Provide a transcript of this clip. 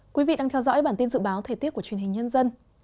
quý vị đang theo dõi bản tin dự báo thời tiết của truyền hình nhân dân